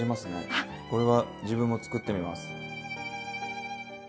これは自分も作ってみます。